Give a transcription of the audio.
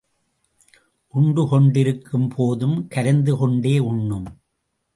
உண்டு கொண்டிருக்கும் போதும் கரைந்துகொண்டே உண்ணும்.